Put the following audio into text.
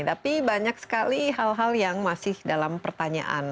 tapi banyak sekali hal hal yang masih dalam pertanyaan